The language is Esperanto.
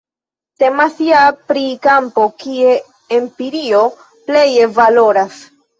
Temas ja pri kampo, kie empirio pleje valoras.